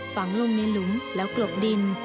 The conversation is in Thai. ฝังลงในหลุมแล้วกลบดิน